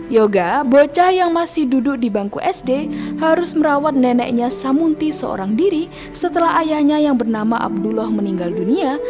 yoga bocah yang masih duduk di bangku sd harus merawat neneknya samunti seorang diri setelah ayahnya yang bernama abdullah meninggal dunia